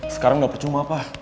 sekarang gak percuma pa